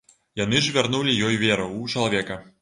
Яны ж вярнулі ёй веру ў чалавека.